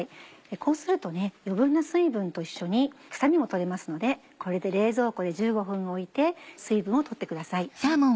こうすると余分な水分と一緒に臭みも取れますのでこれで冷蔵庫で１５分おいて水分を取ってください。